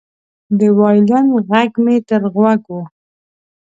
د وایلن غږ مې تر غوږ و